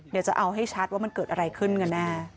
เดี๋ยวจะเอาให้ชัดว่ามันเกิดอะไรขึ้นกันแน่